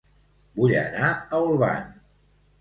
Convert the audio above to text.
Vull anar a Olvan